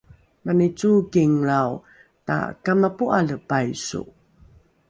mani cookinglrao takamapo’ale paiso